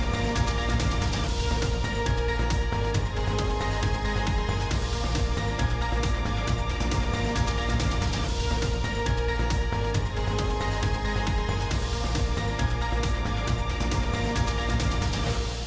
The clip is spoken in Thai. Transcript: โปรดติดตามตอนต่อไป